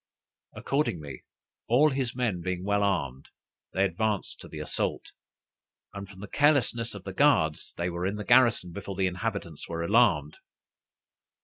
Accordingly, all his men being well armed, they advanced to the assault; and, from the carelessness of the guards, they were in the garrison before the inhabitants were alarmed.